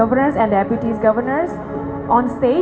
berharap dengan cara dimulai